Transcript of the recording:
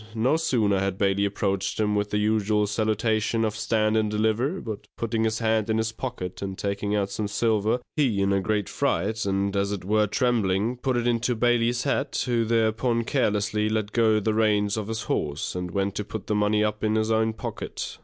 No sooner had Bailey approached him with the usual salutation of Stand and Deliver, but putting his hand in his pocket, and taking out some silver, he, in a great fright, and as it were trembling, put it into Bailey's hat, who thereupon carelessly let go the reins of his horse, and went to put the money up in his own pocket.